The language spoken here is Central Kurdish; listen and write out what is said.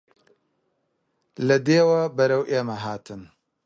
لە دێوە بەرەو ئێمە هاتن